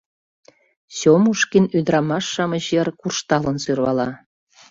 — Сёмушкин ӱдырамаш-шамыч йыр куржталын сӧрвала.